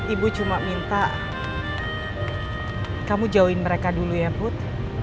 ibu cuma minta kamu jauhin mereka dulu ya bud